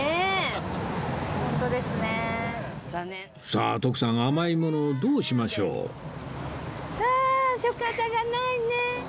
さあ徳さん甘いものどうしましょうああ仕方がないね。